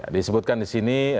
disebutkan di sini